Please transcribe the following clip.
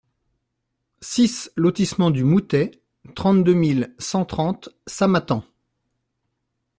six lotissement du Moutet, trente-deux mille cent trente Samatan